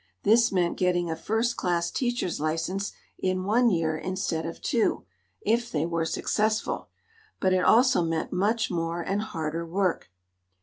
This meant getting a First Class teacher's license in one year instead of two, if they were successful; but it also meant much more and harder work.